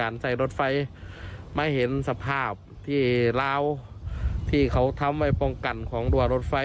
นี่เหมือนสถานีใหม่เหมือนกันนะ